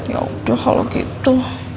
ya udah kalau gitu